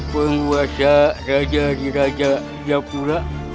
penguasa raja diraja yapura